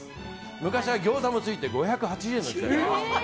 昔はギョーザもついて５８０円でした。